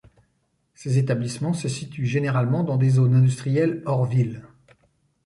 Ces établissements se situent généralement dans des zones industrielles hors ville.